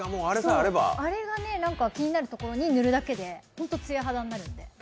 あれを気になるところに塗るだけで、本当に艶肌になるので。